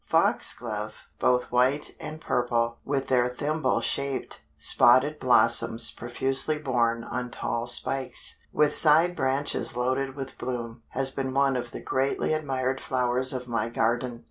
Foxglove, both white and purple, with their thimble shaped spotted blossoms profusely borne on tall spikes, with side branches loaded with bloom, has been one of the greatly admired flowers of my garden.